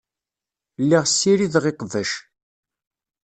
Lliɣ ssirideɣ iqbac.